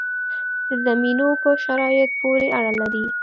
د زمینو په شرایطو پورې اړه لري.